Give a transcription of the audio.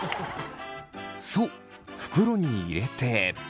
そう袋に入れて。